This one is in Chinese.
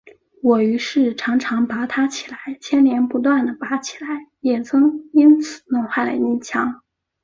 我于是常常拔它起来，牵连不断地拔起来，也曾因此弄坏了泥墙